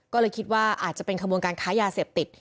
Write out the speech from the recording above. ก็เลยคิดว่าอาจจะเป็นขบวนการค้ายาเสพติด